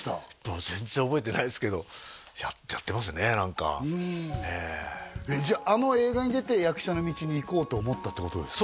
もう全然覚えてないですけどやってますね何かうんじゃああの映画に出て役者の道に行こうと思ったってことですか？